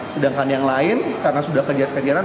sedangkan yang lain karena sudah kejar kejaran